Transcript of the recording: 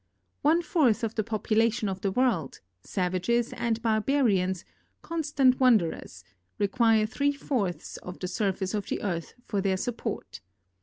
One fourth of the popu lation of the world — savages and barbarians, constant wan derers— require three fourths of the surface of the earth for their support.